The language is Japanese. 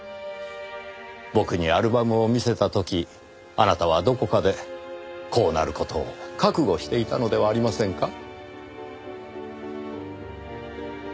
僕にアルバムを見せた時あなたはどこかでこうなる事を覚悟していたのではありませんか？